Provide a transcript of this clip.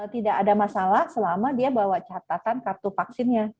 tidak ada masalah selama dia bawa catatan kartu vaksinnya